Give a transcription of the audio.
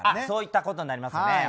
そういったことになりますね。